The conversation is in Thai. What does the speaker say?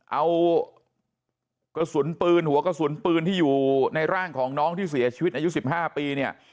เอากระสุนปืนหัวกระสุนปืนที่อยู่ในร่างของน้องที่เสียชีวิตอายุ๑๕ปีเนี่ย